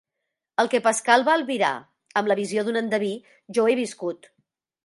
El que Pascal va albirar amb la visió d'un endeví, jo ho he viscut.